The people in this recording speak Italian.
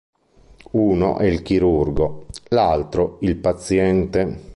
Uno è il "chirurgo", l'altro il "paziente".